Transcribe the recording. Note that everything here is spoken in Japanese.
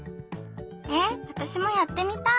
えっわたしもやってみたい！